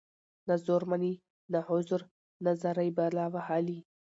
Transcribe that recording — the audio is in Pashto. نه زور مــني نه عـذر نـه زارۍ بلا وهـلې.